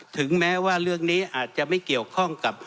ถึงแม้ว่าเรื่องนี้อาจจะไม่เกี่ยวข้องกับ